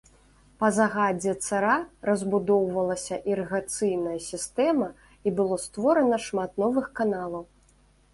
Па загадзе цара разбудоўвалася ірыгацыйная сістэма і было створана шмат новых каналаў.